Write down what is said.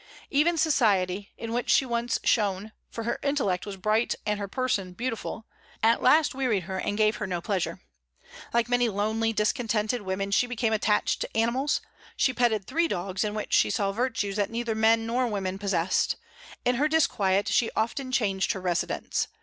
Even society, in which she once shone, for her intellect was bright and her person beautiful, at last wearied her and gave her no pleasure. Like many lonely, discontented women, she became attached to animals; she petted three dogs, in which she saw virtues that neither men nor women possessed. In her disquiet she often changed her residence.